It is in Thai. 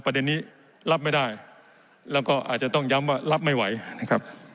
ประเด็นนี้รับไม่ได้แล้วก็อาจจะต้องย้ำว่ารับไม่ไหวนะครับ